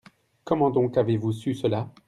Comment donc avez-vous su cela ?